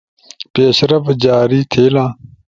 پیش رفٹ جاری تھئیلا